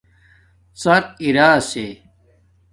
ڎر اِراسے